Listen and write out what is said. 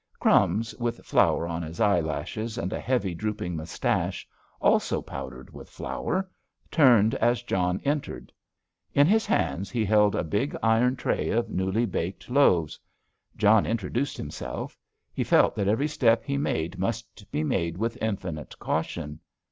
"Crumbs," with flour on his eyelashes, and a heavy, drooping moustache, also powdered with flour, turned as John entered. In his hands he held a big iron tray of newly baked loaves. John introduced himself. He felt that every step he made must be made with infinite caution.